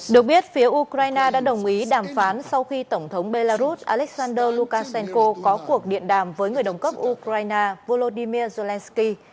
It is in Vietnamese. được biết phía ukraine đã đồng ý đàm phán sau khi tổng thống belarus alexander lukashenko có cuộc điện đàm với người đồng cấp ukraine volodymyr zelensky